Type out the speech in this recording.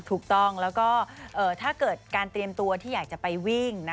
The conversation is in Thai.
ถูกต้องแล้วก็ถ้าเกิดการเตรียมตัวที่อยากจะไปวิ่ง